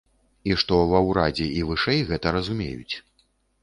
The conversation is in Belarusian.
І што ва ўрадзе і вышэй гэта разумеюць.